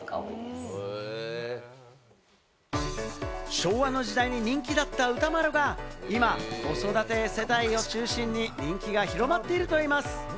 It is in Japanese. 昭和の時代に人気だったウタマロが今、子育て世代を中心に人気が広まっているといいます。